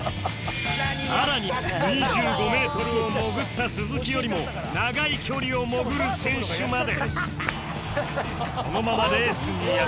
さらに２５メートルを潜った鈴木よりも長い距離を潜る選手まで